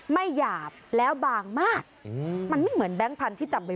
หยาบแล้วบางมากมันไม่เหมือนแบงค์พันธุ์ที่จำเป็น